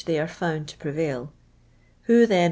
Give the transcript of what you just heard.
v ar fi md to prevail. Who. th n.